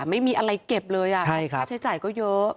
ไม่มีอะไรเก็บเลยใช้จ่ายก็เยอะใช่ครับ